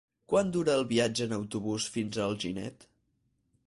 Quant dura el viatge en autobús fins a Alginet?